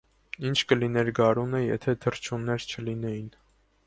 Ի՞նչ կլիներ գարունը, եթե թռչուններ չլինեին.